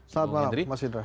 selamat malam mas indra